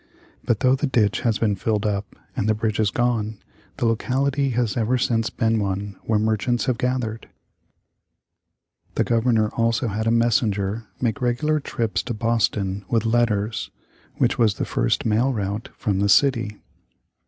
But though the ditch has been filled up, and the bridge is gone, the locality has ever since been one where merchants have gathered. [Illustration: Departure of Nicolls.] The Governor also had a messenger make regular trips to Boston with letters, which was the first mail route from the city.